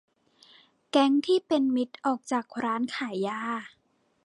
แก๊งที่เป็นมิตรออกจากร้านขายยา